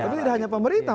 tapi tidak hanya pemerintah